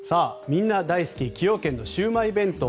みんな大好き崎陽軒のシウマイ弁当。